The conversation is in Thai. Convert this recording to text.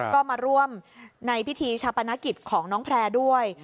ก็มาร่วมในพิธีชาปนกิจของน้องแพร่ด้วย